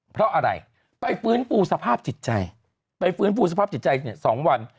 เพราะอะไรไปฟื้นฟูสภาพจิตใจไปฟื้นฟูสภาพจิตใจเนี่ย๒วัน